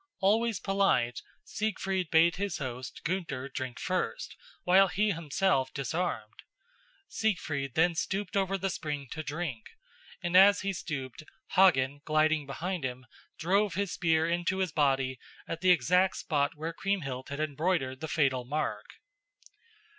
Always polite, Siegfried bade his host, Gunther, drink first, while he himself disarmed. Siegfried then stooped over the spring to drink, and as he stooped, Hagen, gliding behind him, drove his spear into his body at the exact spot where Kriemhild had embroidered the fatal mark.